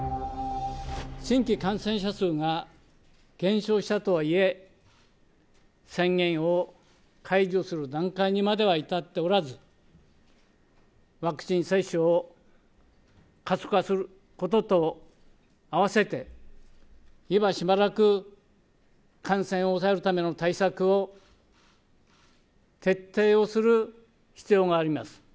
新規感染者数が減少したとはいえ、宣言を解除する段階にまでは至っておらず、ワクチン接種を加速化することと併せて、今しばらく感染を抑えるための対策を徹底をする必要があります。